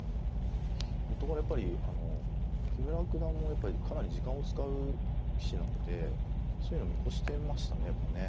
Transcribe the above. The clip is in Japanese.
もとからやっぱりあの木村九段もやっぱりかなり時間を使う棋士なのでそういうのを見越してましたねやっぱね。